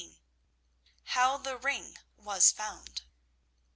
HOW THE RING WAS FOUND.